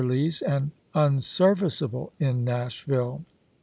"' lies, and unserviceable in Nashville.